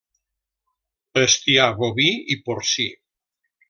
Bestiar boví i porcí.